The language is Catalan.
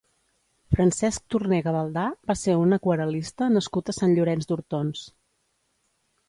Francesc Torné Gavaldà va ser un aquarel·lista nascut a Sant Llorenç d'Hortons.